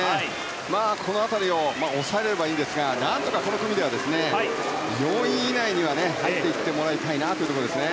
この辺りを抑えればいいんですがなんとかこの組では４位以内に入ってもらいたいですね。